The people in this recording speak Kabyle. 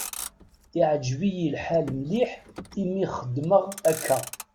Iεǧeb-yi lḥal mliḥ imi xedmeɣ akka.